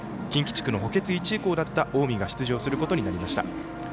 近畿地区の補欠１位校だった近江が出場することになりました。